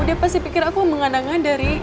dia pasti pikir aku mengandang andari